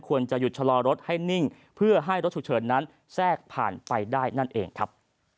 ควรจะหยุดชะลอรถให้นิ่งเพื่อให้รถฉุกเฉินนั้นแทรกผ่านไปได้นั่นเองครับ